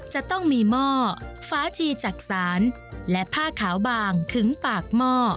จะต้องมีหม้อฟ้าชีจักษานและผ้าขาวบางขึงปากหม้อ